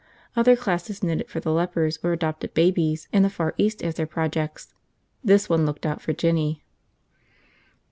Other classes knitted for the lepers or adopted babies in the Far East as their projects. This one looked out for Jinny.